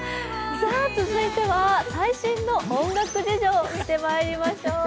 続いては、最新の音楽事情を見てまいりましょう。